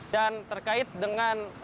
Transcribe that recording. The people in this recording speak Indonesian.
dan terkait dengan